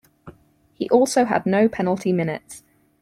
He also had no penalty minutes.